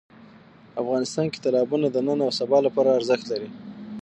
افغانستان کې تالابونه د نن او سبا لپاره ارزښت لري.